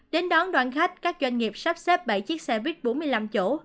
đến đón đoàn khách các doanh nghiệp sắp xếp bảy chiếc xe buýt bốn mươi năm chỗ